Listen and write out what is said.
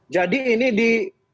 jadi ini di